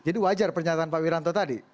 jadi wajar pernyataan pak wiranto tadi